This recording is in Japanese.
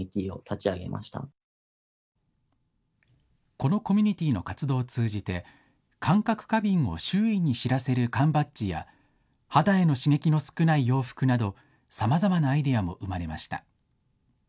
このコミュニティーの活動を通じて、感覚過敏を周囲に知らせる缶バッジや肌への刺激の少ない洋服などさまざまなアイデアも生まれました。